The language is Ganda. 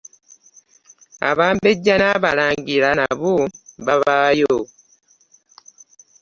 Abambeja na balangira nabo babaayo.